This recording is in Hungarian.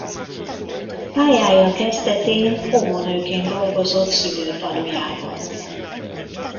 Pályája kezdetén óvónőként dolgozott szülőfalujában.